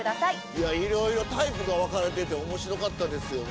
いやいろいろタイプが分かれてて面白かったですよね。